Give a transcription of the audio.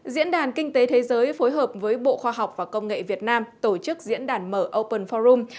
diễn đàn kinh tế thế giới phối hợp với bộ khoa học và công nghệ việt nam tổ chức diễn đàn mở open forum